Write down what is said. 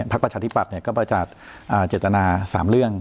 พักประชาธิบัติก็ประจัดเจตนา๓เรื่อง